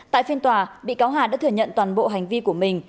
tại phiên tòa bị cáo hà đã thừa nhận toàn bộ hành vi của mình